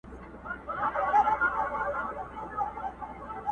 اوس به څنګه پر اغزیو تر منزل پوري رسیږي!.